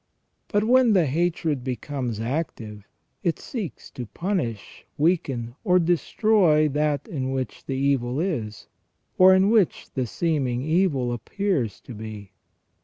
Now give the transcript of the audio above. But when the hatred becomes active, it seeks to punish, weaken, or destroy that in which the evil is, or in which the seeming evil appears to be.